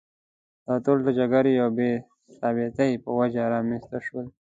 دا ټول د جګړې او بې ثباتۍ په وجه رامېنځته شول.